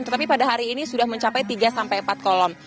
tetapi pada hari ini sudah mencapai tiga sampai empat kolom